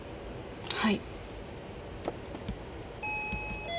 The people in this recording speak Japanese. はい。